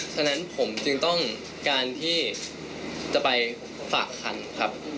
ฉะนั้นผมจึงต้องการที่จะไปฝากคันครับ